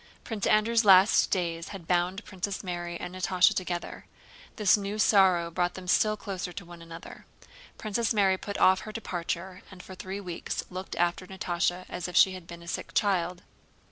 Prince Andrew's last days had bound Princess Mary and Natásha together; this new sorrow brought them still closer to one another. Princess Mary put off her departure, and for three weeks looked after Natásha as if she had been a sick child.